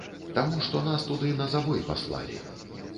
Таму што нас туды на забой паслалі.